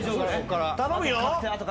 頼むよ。